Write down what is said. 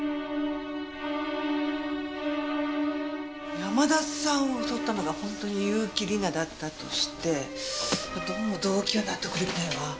山田さんを襲ったのが本当に結城里奈だったとしてどうも動機が納得できないわ。